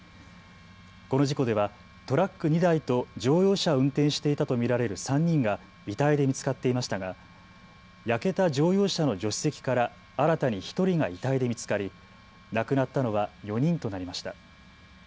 この事故ではトラック２台と乗用車を運転していたと見られる３人が遺体で見つかっていましたが、焼けた乗用車の助手席から新たに１人が遺体で見つかり亡くなったのは４人となりました。